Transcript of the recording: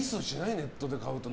ネットで買うと。